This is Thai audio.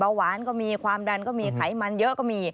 หวานก็มีความดันก็มีไขมันเยอะก็มี